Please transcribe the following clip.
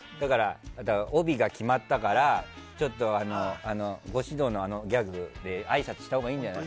帯が決まったからちょっと、あのギャグであいさつしたほうがいいんじゃない。